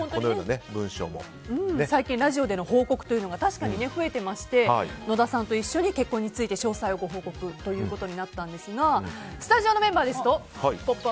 最近ラジオでの報告が確かに増えてまして野田さんと一緒に結婚について詳細をご報告となったんですがスタジオのメンバーですと「ポップＵＰ！」